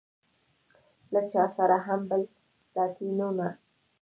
له چا سره هم بل لاټينونه.